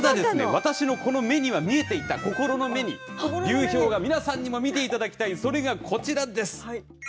私の目には見えていた心の目には、流氷が皆さんにも見ていただきたいそれがこちらです。